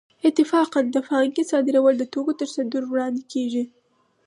اتفاقاً د پانګې صادرول د توکو تر صدور وړاندې کېږي